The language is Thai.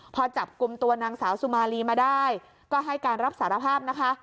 พอจับกลุ่มตัวนางสาวสุมารีมาได้ก็ให้การรับสารภาพนะคะ